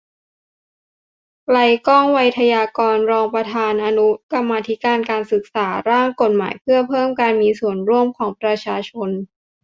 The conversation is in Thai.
ไกลก้อง ไวทยการ รองประธานอนุกรรมาธิการศึกษา ร่างกฎหมายเพื่อเพิ่มการมีส่วนร่วมของประชาชน